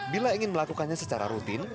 bila ingin melakukannya secara rutin